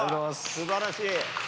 すばらしい。